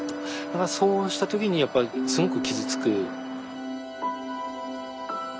だからそうした時にやっぱりすごく傷つく。